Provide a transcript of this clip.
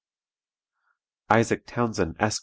"ISAAC TOWNSEND, Esq.